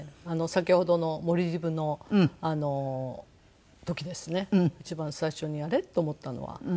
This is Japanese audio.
先ほどのモルディブの時ですね一番最初にあれ？と思ったのは。